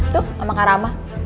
tuh sama kak rama